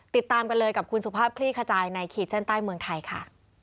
ติดตามกันเลยกับคุณสุภาพคลี่ขจายในขีดเส้นใต้เมืองไทยค่ะ